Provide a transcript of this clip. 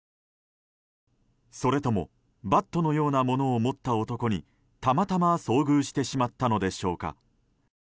それともバットのようなものを持った男にたまたま遭遇してしまったのでしょうか。